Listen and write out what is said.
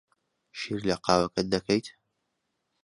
شیر لە قاوەکەت دەکەیت؟